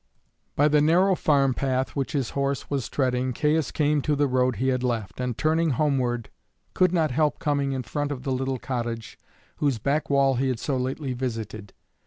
By the narrow farm path which his horse was treading Caius came to the road he had left, and, turning homeward, could not help coming in front of the little cottage whose back wall he had so lately visited.